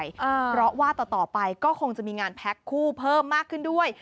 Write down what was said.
เพราะว่าต่อต่อไปก็คงจะมีงานแพ็คคู่เพิ่มมากขึ้นด้วย